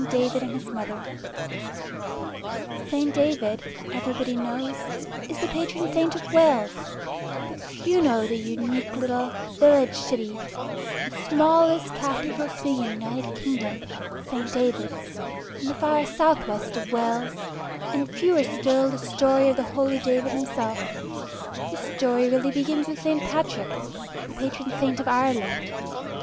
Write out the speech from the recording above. DAVID AND HIS MOTHER St. David, everybody knows, is the patron saint of Wales, but few know the unique little "village city," the smallest cathedral city in the United Kingdom, St. Davids, in the far south west of Wales; and fewer still the story of the holy David himself. This story really begins with St. Patrick, the patron saint of Ireland.